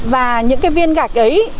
và những cái viên gạch ấy